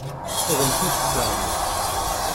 Ad am-t-id-sfehmeɣ.